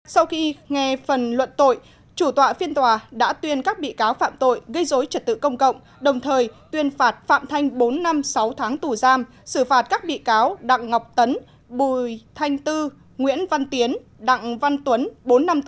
sau khi nghe phần luận tội chủ tọa phiên tòa đã tuyên các bị cáo phạm tội gây dối trật tự công cộng đồng thời tuyên phạt phạm thanh bốn năm sáu tháng tù giam xử phạt các bị cáo đặng ngọc tấn bùi thanh tư nguyễn văn tiến đặng văn tuấn bốn năm tù